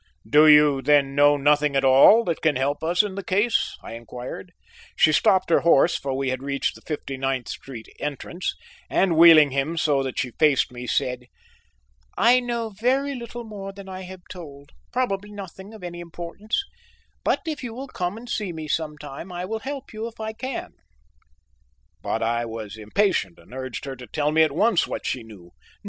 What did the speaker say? "Do you then know nothing at all that can help us in the case?" I inquired. She stopped her horse, for we had reached the Fifty ninth Street entrance, and wheeling him so that she faced me, said: "I know very little more than I have told, probably nothing of any importance, but if you will come and see me sometime, I will help you, if I can"; but I was impatient and urged her to tell me at once what she knew.